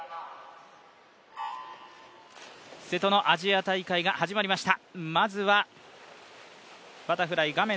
瀬戸のアジア大会が始まりました。